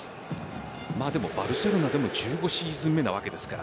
バルセロナでも１５シーズン目なわけですから。